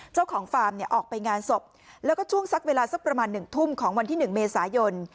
ฟาร์มเนี่ยออกไปงานศพแล้วก็ช่วงสักเวลาสักประมาณหนึ่งทุ่มของวันที่๑เมษายน